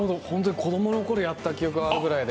子どものころ、やった記憶があるくらいで。